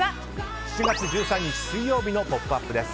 ７月１３日水曜日の「ポップＵＰ！」です。